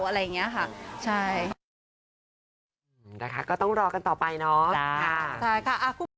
อะไรอย่างนี้ค่ะ